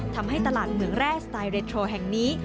ทำให้ตลาดเหมืองแร่สไตเรทโทรแห่งนี้